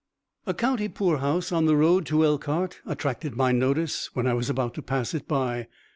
_ A county poor house on the road to Elkhart attracted my notice when I was about to pass it by.